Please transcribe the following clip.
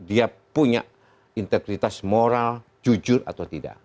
dia punya integritas moral jujur atau tidak